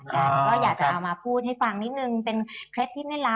ก็อยากจะเอามาพูดให้ฟังนิดนึงเป็นเคล็ดที่ไม่รัก